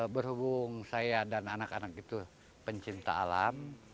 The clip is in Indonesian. berhubung saya dan anak anak itu pencinta alam